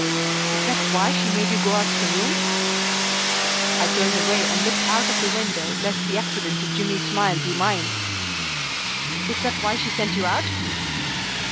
"Is that why she made you go out of the room?" I turned away and looked out of the window lest the accident to Jimmy's smile be mine. "Is that why she sent you out?"